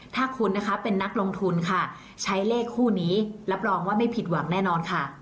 ถ้าคุณนะคะเป็นนักลงทุนค่ะใช้เลขคู่นี้รับรองว่าไม่ผิดหวังแน่นอนค่ะ